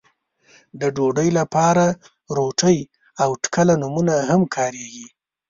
د ډوډۍ لپاره روټۍ او ټکله نومونه هم کاريږي.